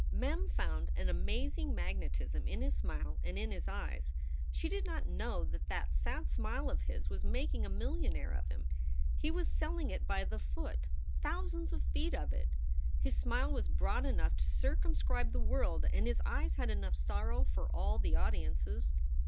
Mem found an amazing magnetism in his smile and in his eyes. She did not know that that sad smile of his was making a millionaire of him. He was selling it by the foot thousands of feet of it. His smile was broad enough to cir cumscribe the world and his eyes had enough sorrow for all the audiences.